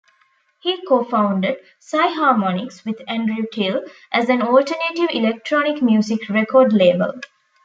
He co-founded, Psy-Harmonics, with Andrew Till, as an alternative electronic music record label.